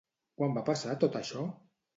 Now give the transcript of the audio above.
Quan va passar tot això?